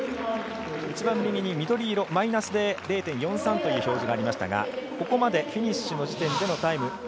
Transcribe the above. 一番右に緑色、マイナスで０．４３という表示がありましたがフィニッシュまでのタイム。